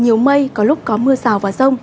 nhiều mây có lúc có mưa rào và rông